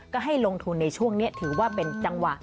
ก็ให้ลงทุนในช่วงนี้ถือว่าเป็นจังหวะ